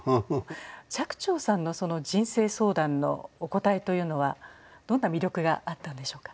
寂聴さんの人生相談のお答えというのはどんな魅力があったんでしょうか。